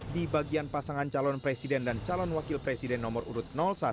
di bagian pasangan calon presiden dan calon wakil presiden nomor urut satu